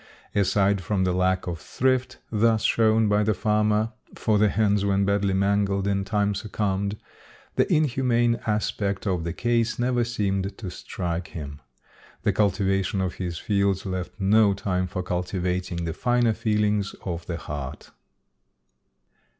Aside from the lack of thrift thus shown by the farmer for the hens, when badly mangled, in time succumbed the inhumane aspect of the case never seemed to strike him. The cultivation of his fields left no time for cultivating the finer feelings of the heart.